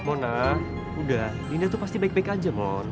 mona udah dinda tuh pasti baik baik aja mon